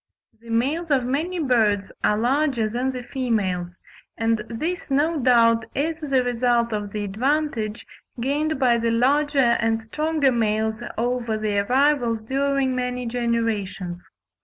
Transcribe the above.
The males of many birds are larger than the females, and this no doubt is the result of the advantage gained by the larger and stronger males over their rivals during many generations.